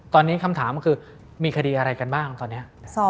ตอนนี้คำถามคือมีคดีอะไรกันบ้างตอนนี้